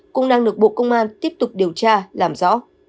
cũng đang được bộ công an tiếp tục điều tra làm rõ